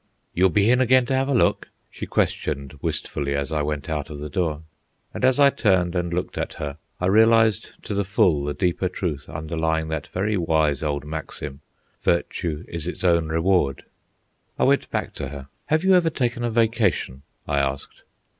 "You'll be hin hagain to 'ave a look?" she questioned wistfully, as I went out of the door. And as I turned and looked at her, I realized to the full the deeper truth underlying that very wise old maxim: "Virtue is its own reward." I went back to her. "Have you ever taken a vacation?" I asked.